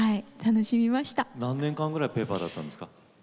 何年間ぐらいペーパーだったんですか？